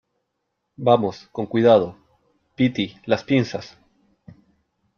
vamos , con cuidado . piti , las pinzas .